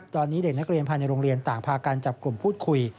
ตอนนี้เด็กนักเรียนภายในโรงเรียนต่างพากันจับกลุ่มพูดคุย